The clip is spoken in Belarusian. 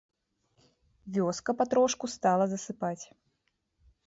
Вёска патрошку стала засыпаць...